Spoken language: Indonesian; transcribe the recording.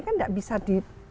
kan tidak bisa di